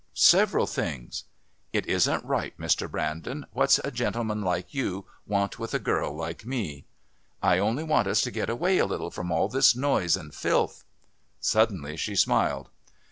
"Several things." "It isn't right, Mr. Brandon. What's a gentleman like you want with a girl like me?" "I only want us to get away a little from all this noise and filth." Suddenly she smiled.